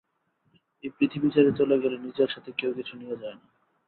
এই পৃথিবী ছেড়ে চলে গেলে নিজের সাথে কেউ কিছু নিয়ে যায় না।